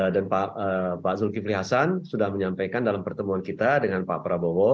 dan pak zulkifili hasan sudah menyampaikan dalam pertemuan kita dengan pak prabowo